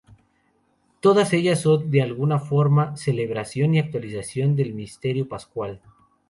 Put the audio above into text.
Todas ellas son, de alguna forma, celebración y actualización del Misterio Pascual.